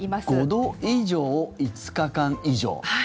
５度以上５日間以上。